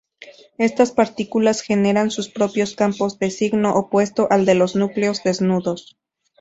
Estas partículas generan sus propios campos de signo opuesto al de los núcleos desnudos.